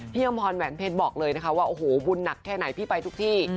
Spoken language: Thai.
อำพรแหวนเพชรบอกเลยนะคะว่าโอ้โหบุญหนักแค่ไหนพี่ไปทุกที่